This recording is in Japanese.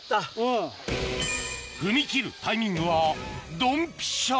踏み切るタイミングはドンピシャ